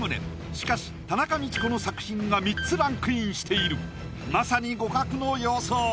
しかし田中道子の作品が３つランクインしているまさに互角の様相。